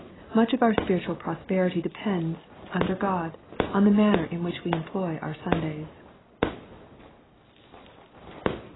Much of our spiritual. prosperity depends, under God, on the manner in which we employ our Sundays.